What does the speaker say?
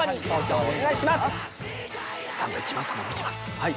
はい。